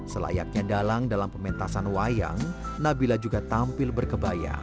selayaknya dalang dalam pementasan wayang nabila juga tampil berkebaya